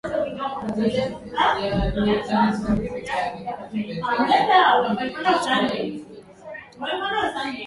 ndizi mzuzu Hizi zikikomaa huachwa zianze kuiva kidogo halafu huchomwa na kuliwa kama kitafunwa